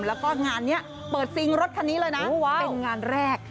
แล้วก็งานนี้เปิดซิงรถคันนี้เลยนะเป็นงานแรก